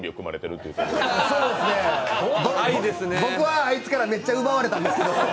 そうですね、僕はあいつからめっちゃ奪われたんですけど。